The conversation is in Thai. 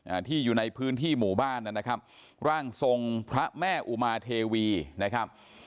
อ่าที่อยู่ในพื้นที่หมู่บ้านนะครับร่างทรงพระแม่อุมาเทวีนะครับ